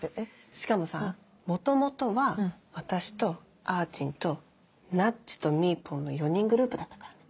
しかもさ元々は私とあーちんとなっちとみーぽんの４人グループだったからね。